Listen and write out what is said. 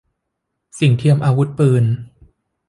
สิ่งเทียมอาวุธปืน